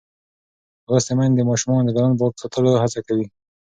لوستې میندې د ماشومانو د بدن پاک ساتلو هڅه کوي.